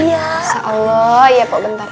ya allah ya mpo bentar